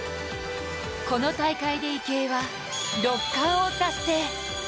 この大会で池江は６冠を達成。